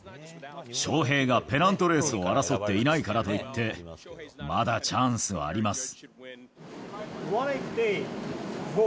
ショウヘイがペナントレースを争っていないからといって、まだチャンスはあります。